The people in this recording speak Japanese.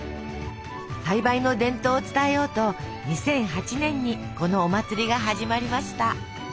栽培の伝統を伝えようと２００８年にこのお祭りが始まりました。